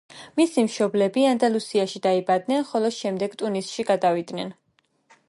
მისი მშობლები ანდალუსიაში დაიბადნენ, ხოლო შემდეგ ტუნისში გადავიდნენ.